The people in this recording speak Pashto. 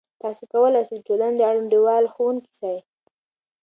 تاسې کولای سئ د ټولنې د انډول ښوونکی سئ.